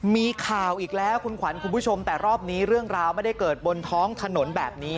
มีข่าวอีกแล้วคุณขวัญคุณผู้ชมแต่รอบนี้เรื่องราวไม่ได้เกิดบนท้องถนนแบบนี้